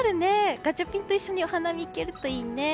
ガチャピンと一緒にお花見行けるといいね。